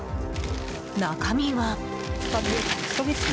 中身は。